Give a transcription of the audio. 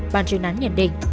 bạn truyền án nhận định